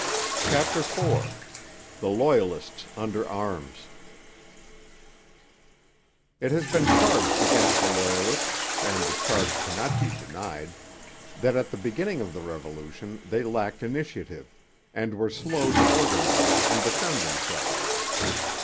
CHAPTER IV THE LOYALISTS UNDER ARMS It has been charged against the Loyalists, and the charge cannot be denied, that at the beginning of the Revolution they lacked initiative, and were slow to organize and defend themselves.